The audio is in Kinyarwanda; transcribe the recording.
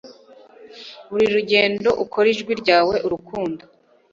buri rugendo ukora Ijwi ryawe Urukundo